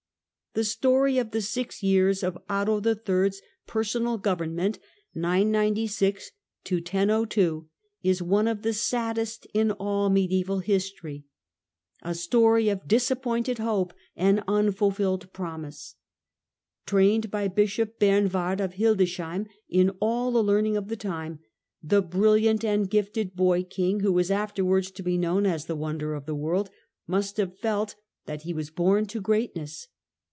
The story of the six years of Otto III.'s personal govern Personal ment is one of the saddest in all mediseval history — a ^eXof story of disappointed hope and unfulfilled promise. 99^4 JJ2' Trained by Bishop Bernward of Hildesheim in all the learning of the time, the brilliant and gifted boy king, who was afterwards to be known as " the Wonder of the World," must have felt that he was born to greatness.